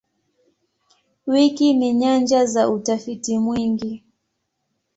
Wiki ni nyanja za utafiti mwingi.